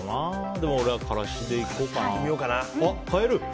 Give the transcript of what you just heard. でも俺は辛子でいこうかな。